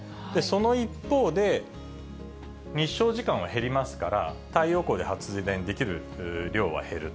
その一方で、日照時間は減りますから、太陽光で発電できる量は減る。